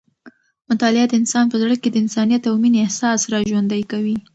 مطالعه د انسان په زړه کې د انسانیت او مینې احساس راژوندی کوي.